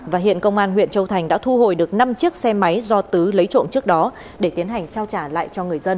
và hiện công an huyện châu thành đã thu hồi được năm chiếc xe máy do tứ lấy trộm trước đó để tiến hành trao trả lại cho người dân